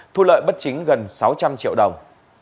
thu lợi bất chính gần sáu trăm linh triệu đồng